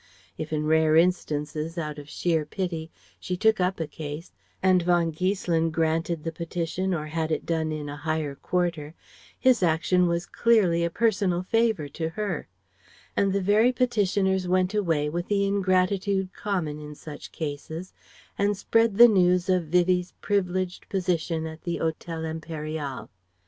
If in rare instances, out of sheer pity, she took up a case and von Giesselin granted the petition or had it done in a higher quarter, his action was clearly a personal favour to her; and the very petitioners went away, with the ingratitude common in such cases, and spread the news of Vivie's privileged position at the Hotel Impérial.